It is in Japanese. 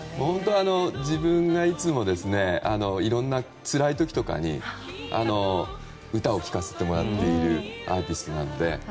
自分がいつもいろんなつらい時とかに歌を聴かせてもらっているアーティストなので。